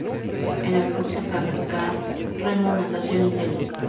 En el club se practica remo, natación y tenis.